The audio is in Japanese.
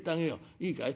いいかい。